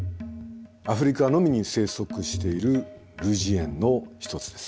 アフリカのみに生息している類人猿の一つです。